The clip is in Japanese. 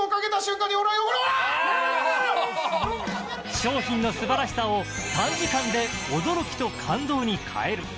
商品の素晴らしさを短時間で驚きと感動に変える。